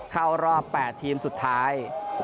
เข้ารอบ๘ทีมสุดท้าย